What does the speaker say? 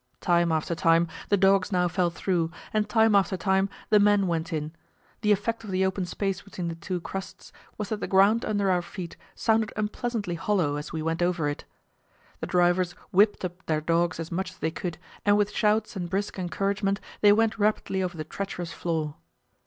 Time after time the dogs now fell through, and time after time the men went in. The effect of the open space between the two crusts was that the ground under our feet sounded unpleasantly hollow as we went over it. The drivers whipped up their dogs as much as they could, and with shouts and brisk encouragement they went rapidly over the treacherous floor.